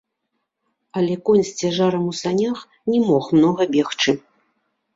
Але конь з цяжарам у санях не мог многа бегчы.